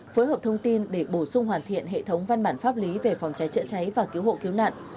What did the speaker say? phối hợp thông tin để bổ sung hoàn thiện hệ thống văn bản pháp lý về phòng cháy chữa cháy và cứu hộ cứu nạn